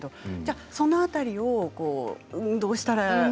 その辺りをどうしたらと。